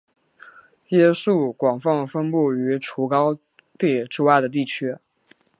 椰树广泛分布于除高地之外的地区。